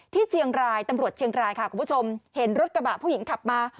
ที่เชียงรายตำรวจเชียงรายค่ะคุณผู้ชมเห็นรถกระบะผู้หญิงขับมา